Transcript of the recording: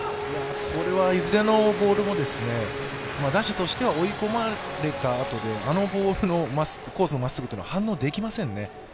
これはいずれのボールも打者としては追い込まれたあとであのボールのコースのまっすぐは反応できませんね。